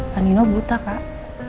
pak nino buta kak